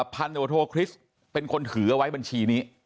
พันธบทโทคริสต์เป็นคนถือเอาไว้บัญชีนี้